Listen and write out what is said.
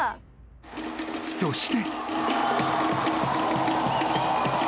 ［そして］